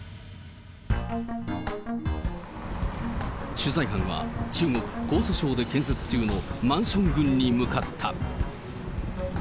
取材班は、中国・江蘇省で建設中のマンション群に向かった。